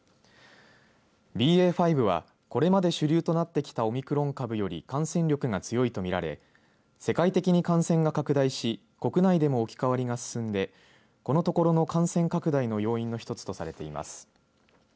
ＢＡ．５は、これまで主流となってきたオミクロン株より感染力が強いと見られ世界的に感染が拡大し国内でも置き換わりが進んでこのところの感染拡大の要因の一つとされています。